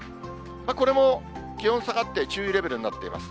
これも気温下がって、注意レベルになっています。